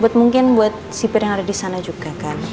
buat mungkin buat sipir yang ada disana juga kan